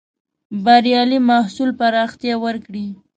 بریالي محصول پراختيا ورکړې.